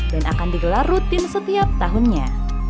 dan akan digelar rutin setiap tahunnya